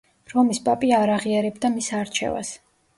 რომის პაპი არ აღიარებდა მის არჩევას.